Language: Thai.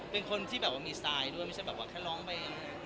เป็นคนที่มีสไตล์ด้วยไม่ใช่แค่ร้องไป